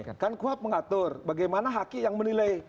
ini kan kuat mengatur bagaimana haki yang menilai